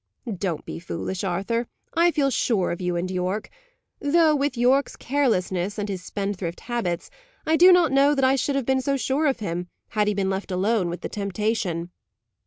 "Don't be foolish, Arthur. I feel sure of you and Yorke. Though, with Yorke's carelessness and his spendthrift habits, I do not know that I should have been so sure of him, had he been left alone with the temptation."